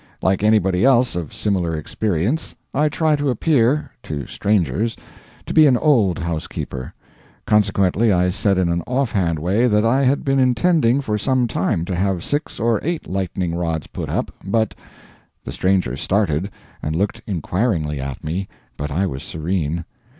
Like anybody else of similar experience, I try to appear (to strangers) to be an old housekeeper; consequently I said in an offhand way that I had been intending for some time to have six or eight lightning rods put up, but The stranger started, and looked inquiringly at me, but I was serene.